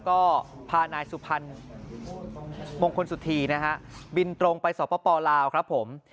ก็พานายสุพรรณมงคลสุธีนะฮะบินตรงไปสปลาวครับผม